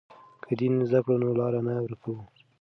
که دین زده کړو نو لار نه ورکوو.